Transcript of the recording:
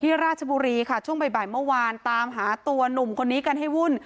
ราชบุรีค่ะช่วงบ่ายเมื่อวานตามหาตัวหนุ่มคนนี้กันให้วุ่น